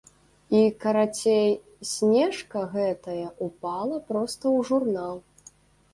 І, карацей, снежка гэтая ўпала проста ў журнал.